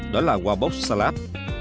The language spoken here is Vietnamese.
đó là wowbox salad